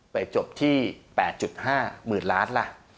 ไปจบที่๘๕หมื่นล้านล่ะ